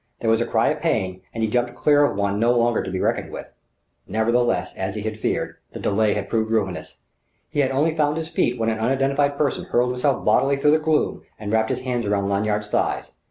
There was a cry of pain, and he jumped clear of one no longer to be reckoned with. Nevertheless, as he had feared, the delay had proved ruinous. He had only found his feet when an unidentified person hurled himself bodily through the gloom and wrapped his arms round Lanyard's thighs.